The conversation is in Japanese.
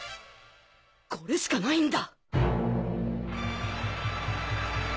これしかないんだ！